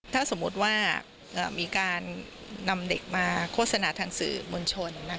ถ้าสมมติว่ามีการนำเด็กมาโฆษณาทางสื่อมวลชน